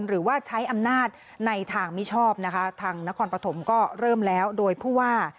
หรือว่าใช้อำนาจในทางมิชอบนะคะทางนครปฐมก็เริ่มแล้วโดยผู้ว่า